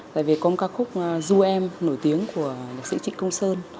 tại vì có một ca khúc du em nổi tiếng của nhạc sĩ trịnh công sơn